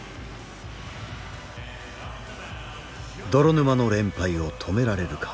泥沼の連敗を止められるか。